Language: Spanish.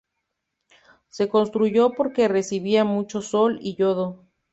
Se construyó porque recibía mucho sol y yodo.